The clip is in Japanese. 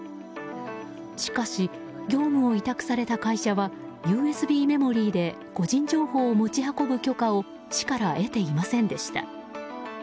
しかし、業務を委託された会社はＵＳＢメモリーで個人情報を持ち運ぶ許可を市から得ていませんでした。